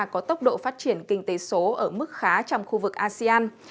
có tốc độ phát triển kinh tế số ở mức khá trong khu vực asean